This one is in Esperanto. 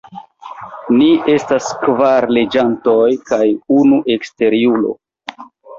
Ni estis kvar loĝantoj kaj unu eksterulo.